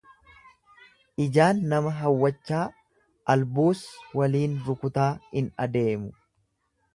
Ijaan nama hawwachaa, albuus waliin rukutaa in adeemu.